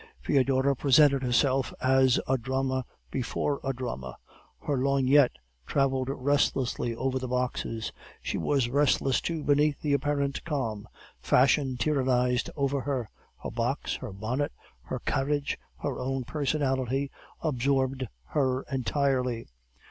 "Foedora presented herself as a drama before a drama. Her lorgnette traveled restlessly over the boxes; she was restless too beneath the apparent calm; fashion tyrannized over her; her box, her bonnet, her carriage, her own personality absorbed her entirely.